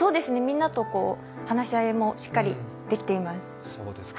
みんなと話し合いもしっかりできています。